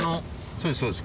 そうですそうです。